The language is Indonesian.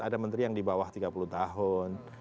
ada menteri yang di bawah tiga puluh tahun